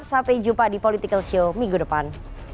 sampai jumpa di political show minggu depan